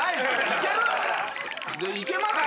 いけます？